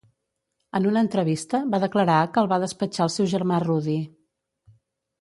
En una entrevista va declarar que el va despatxar el seu germà Rudy.